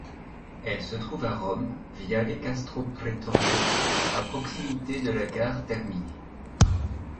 Elle se trouve à Rome, viale Castro Pretorio, à proximité de la gare Termini.